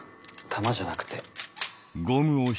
弾じゃなくて。